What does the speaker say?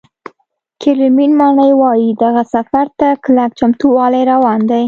کرملین ماڼۍ وایي، دغه سفر ته کلک چمتووالی روان دی